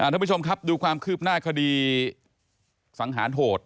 ทุกผู้ชมครับดูความคืบหน้าคดีสังหารโหด